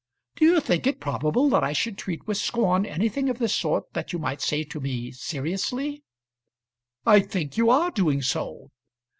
Do you think it probable that I should treat with scorn anything of this sort that you might say to me seriously?" "I think you are doing so."